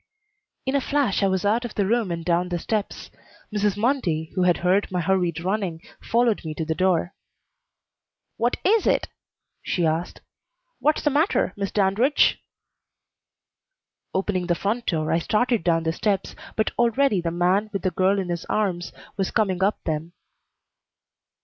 In a flash I was out of the room and down the steps. Mrs. Mundy, who had heard my hurried running, followed me to the door. "What is it?" she asked. "What's the matter, Miss Dandridge?" Opening the front door, I started down the steps, but already the man, with the girl in his arms, was coming up them.